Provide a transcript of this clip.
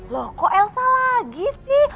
loh kok elsa lagi sih